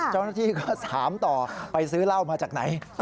เจ้าหน้าที่ก็ถามต่อไปซื้อเหล้ามาจากไหน